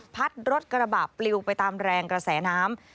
พัดรถกระบะปลิวไปตามแรงกระแสน้ำ